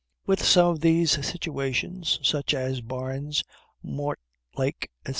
With some of these situations, such as Barnes, Mortlake, etc.